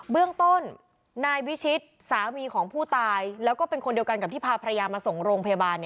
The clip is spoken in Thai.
เรื่องต้นนายวิชิตสามีของผู้ตายแล้วก็เป็นคนเดียวกันกับที่พาภรรยามาส่งโรงพยาบาล